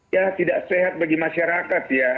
ya tidak sehat bagi masyarakat ya